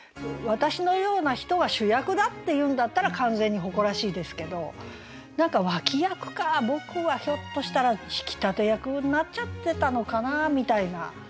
「わたしのような人は主役だ」って言うんだったら完全に誇らしいですけど何か「脇役か僕はひょっとしたら引き立て役になっちゃってたのかな」みたいな。